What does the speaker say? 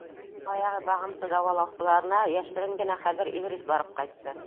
Баяғы бағымсы-дауалаусыларына йәшерен генә хәҙер Иҙрис барып ҡайтты.